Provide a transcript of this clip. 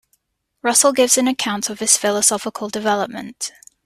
Russell gives an account of his philosophical development.